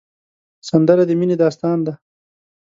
سندره د مینې داستان دی